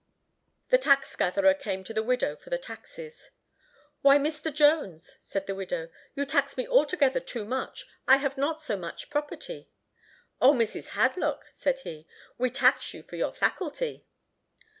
The tax gatherer came to the widow for the taxes. "Why, Mr. Jones," said the widow, "you tax me altogether too much; I have not so much property." "O, Mrs. Hadlock," said he, "we tax you for your faculty."